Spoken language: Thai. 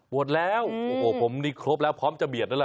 ดแล้วโอ้โหผมนี่ครบแล้วพร้อมจะเบียดแล้วล่ะ